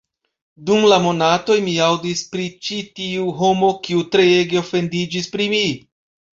Dum monatoj, mi aŭdis pri ĉi tiu homo, kiu treege ofendiĝis pri mi